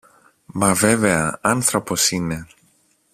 Μα βέβαια, άνθρωπος είναι!